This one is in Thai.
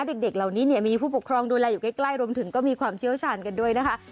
เด็กเหล่านี้เนี่ยมีผู้ปกครองดูแลอยู่ใกล้รวมถึงก็มีความเชี่ยวชาญกันด้วยนะคะ